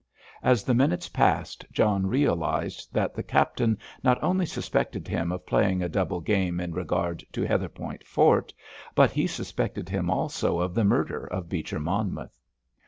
As the minutes passed John realised that the Captain not only suspected him of playing a double game in regard to Heatherpoint Fort, but he suspected him also of the murder of Beecher Monmouth.